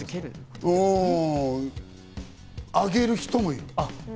上げる人もいる。